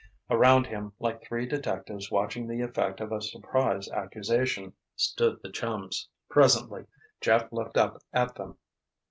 Around him, like three detectives watching the effect of a surprise accusation, stood the chums. Presently Jeff looked up at them.